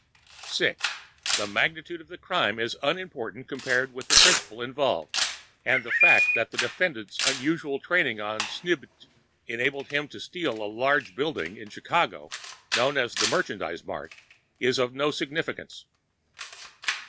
(6) The magnitude of the crime is unimportant compared with the principle involved, and the fact that the defendant's unusual training on Sknnbt enabled him to steal a large building in Chicago, known as the Merchandise Mart, is of no significance.